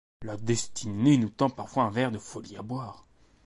La destinée nous tend parfois un verre de folie à boire.